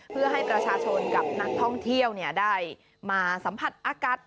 เพื่อให้ประชาชนกับนักท่องเที่ยวได้มาสัมผัสอากาศ